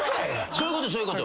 そういうことそういうこと。